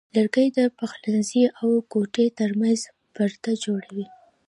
لرګی د پخلنځي او کوټې ترمنځ پرده جوړوي.